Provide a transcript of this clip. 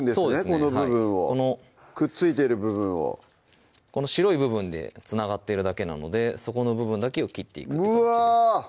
この部分をくっついてる部分をこの白い部分でつながってるだけなのでそこの部分だけを切っていくうわ！